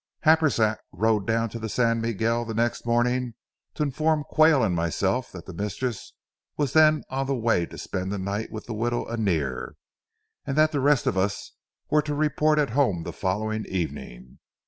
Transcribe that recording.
Happersett rode down to the San Miguel the next morning to inform Quayle and myself that the mistress was then on the way to spend the night with the widow Annear, and that the rest of us were to report at home the following evening.